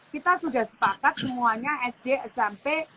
kita sudah sepakat semuanya sd smp